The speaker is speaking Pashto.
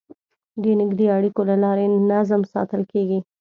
د نږدې اړیکو له لارې نظم ساتل کېږي.